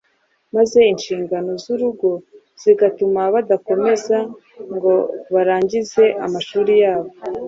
maze inshingano z’urugo zigatuma badakomeza ngo barangize amashuri yabo.